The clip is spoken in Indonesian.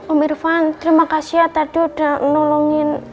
om irfan terima kasih ya tadi udah nolongin